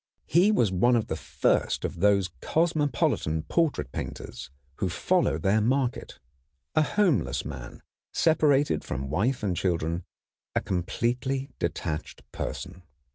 He was one of the first of those cosmopolitan portrait painters who follow their market, a homeless man, separated from wife and children, a completely detached person.